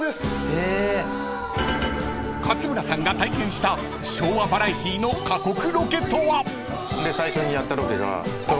［勝村さんが体験した昭和バラエティの過酷ロケとは］